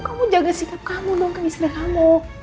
kamu jaga sikap kamu dong ke istri kamu